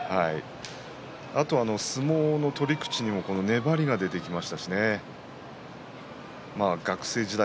あとは相撲の取り口は粘りが出てきましたし学生時代